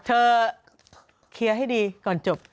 เคลียร์ให้ดีก่อนจบ